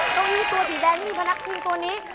ตรงนี้ตัวสีแดงที่มีพนักพิงตัวนี้